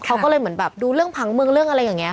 เขาก็เลยเหมือนแบบดูเรื่องผังเมืองเรื่องอะไรอย่างนี้